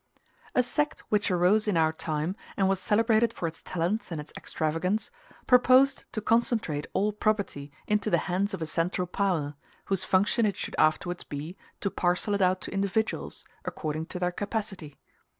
A sect which arose in our time, and was celebrated for its talents and its extravagance, proposed to concentrate all property into the hands of a central power, whose function it should afterwards be to parcel it out to individuals, according to their capacity.